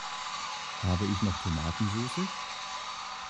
Habe ich noch Tomatensoße?